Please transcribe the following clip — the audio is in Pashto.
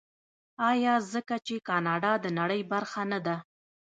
آیا ځکه چې کاناډا د نړۍ برخه نه ده؟